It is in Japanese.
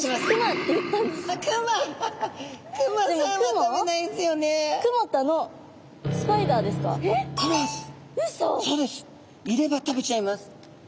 いれば食べちゃいます。